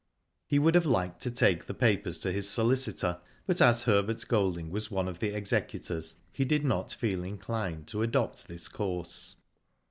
He would have liked to take the papers to his solicitor, but as Herbert Golding was one of the executors, he did not feel inclined to adopt this course.